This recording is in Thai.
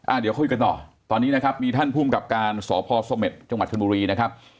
อ่าเดี๋ยวคุยกันต่อตอนนี้นะครับมีท่านภูมิกับการสพสมมติจคุณบุรีนะครับ